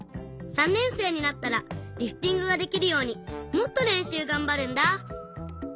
３年生になったらリフティングができるようにもっとれんしゅうがんばるんだ！